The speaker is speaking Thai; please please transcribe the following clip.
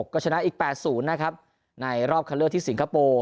ก็ชนะอีก๘๐นะครับในรอบคันเลือกที่สิงคโปร์